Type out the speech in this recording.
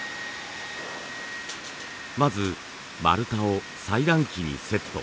まず丸太を裁断機にセット。